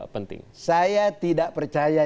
begini saya tidak percaya